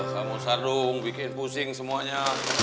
kamu sadung bikin pusing semuanya